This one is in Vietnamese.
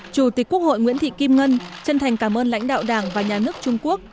chủ tịch quốc hội nguyễn thị kim ngân chân thành cảm ơn lãnh đạo đảng và nhà nước trung quốc